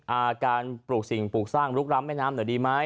อาการปลูกสิ่งปลูกสร้างลุกล้ำแม่น้ำหน่อยดีไหม